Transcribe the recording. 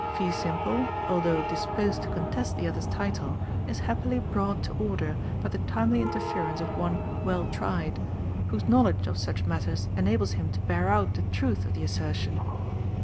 Feesimple, although disposed to contest the other's title, is happily brought to order by the timely interference of one Welltried, whose knowledge of such matters enables him to bear out the truth of the assertion.